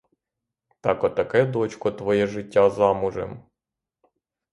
Так отаке, дочко, твоє життя замужем?